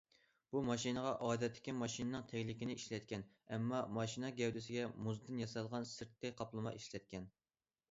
بۇ ماشىنىغا ئادەتتىكى ماشىنىنىڭ تەگلىكىنى ئىشلەتكەن، ئەمما ماشىنا گەۋدىسىگە مۇزدىن ياسالغان سىرتقى قاپلىما ئىشلەتكەن.